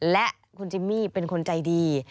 และคุณจิมมี่เป็นคนใจดี